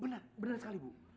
benar benar sekali bu